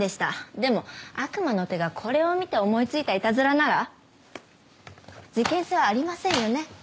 でも悪魔の手がこれを見て思い付いたいたずらなら事件性はありませんよね？